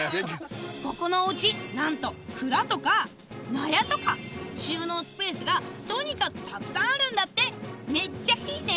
ここのお家なんと蔵とか納屋とか収納スペースがとにかくたくさんあるんだってめっちゃいいね！